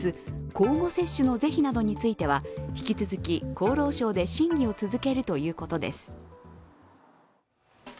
交互接種の是非などについては引き続き、厚生労働省で審議を続けるということです。